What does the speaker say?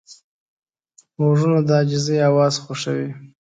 غوږونه د عاجزۍ اواز خوښوي